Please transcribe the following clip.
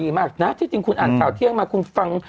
มากนะที่จริงคุณอ่านข่าวเที่ยงมาคุณฟัง